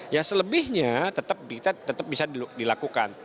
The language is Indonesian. ya selebihnya tetap bisa dilakukan